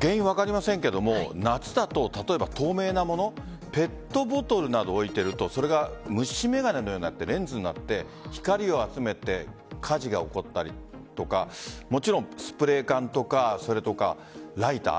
原因が分かりませんが夏だと、例えば透明なものペットボトルなどを置いているとそれが虫眼鏡のようになってレンズになって光を集めて火事が起こったりとかスプレー缶とかライター。